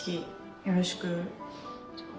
よろしく。